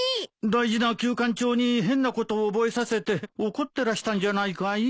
大事なキュウカンチョウに変なことを覚えさせて怒ってらしたんじゃないかい？